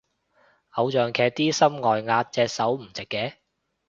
偶像劇啲心外壓隻手唔直嘅